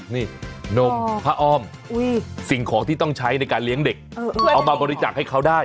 นี่นมผ้าอ้อมสิ่งของที่ต้องใช้ในการเลี้ยงเด็กเอามาบริจักษ์ให้เขาได้